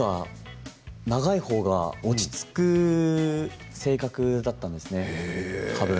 長い方が落ち着く性格だったんですよね、多分。